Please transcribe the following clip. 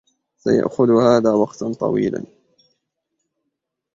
سيأخذ هذا وقتا طويلا.